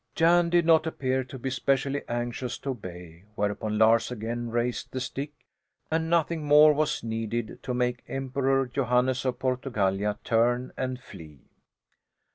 Jan did not appear to be specially anxious to obey; whereupon Lars again raised the stick, and nothing more was needed to make Emperor Johannes of Portugallia turn and flee.